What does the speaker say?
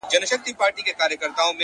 o پښتنه ده آخير ـ